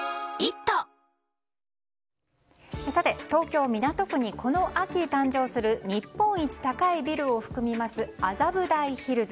東京・港区にこの秋誕生する日本一高いビルを含みます麻布台ヒルズ。